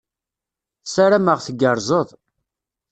Sarameɣ teggerzeḍ.